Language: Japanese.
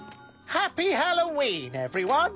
ハッピー・ハロウィーン！